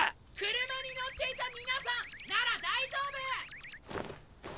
車に乗っていた皆さんなら大丈夫！